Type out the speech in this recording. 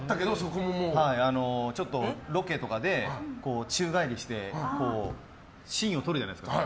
ロケとかで宙返りしてシーンを撮るじゃないですか